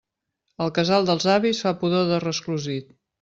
El casal dels avis fa pudor de resclosit.